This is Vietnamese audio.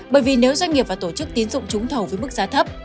bởi vì nếu doanh nghiệp và tổ chức tiến dụng trúng thầu với mức giá thấp